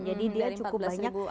jadi dia cukup banyak